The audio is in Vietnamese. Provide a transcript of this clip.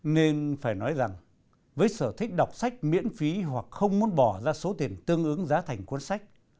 nên phải nói rằng với sở thích đọc sách miễn phí hoặc không muốn bỏ ra số tiền tương ứng giá thành cuốn sách